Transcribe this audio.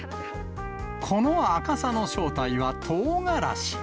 この赤さの正体はとうがらし。